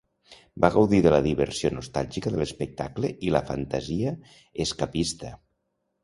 Va gaudir de la diversió nostàlgica de l'espectacle i la "fantasia escapista".